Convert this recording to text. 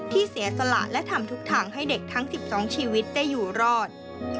เสียสละและทำทุกทางให้เด็กทั้ง๑๒ชีวิตได้อยู่รอด